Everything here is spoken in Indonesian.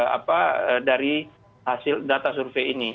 apa dari hasil data survei ini